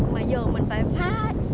mà giờ mình phải phá